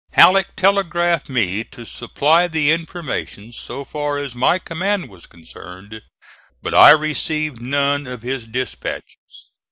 Halleck telegraphed me to supply the information so far as my command was concerned, but I received none of his dispatches.